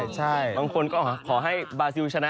ใช่บางคนก็ขอให้บาซิลชนะ